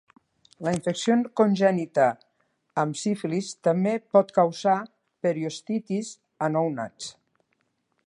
La infecció congènita amb sífilis també pot causar periostitis a nounats.